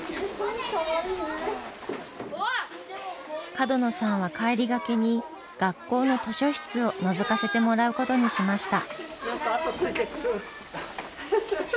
角野さんは帰りがけに学校の図書室をのぞかせてもらうことにしました。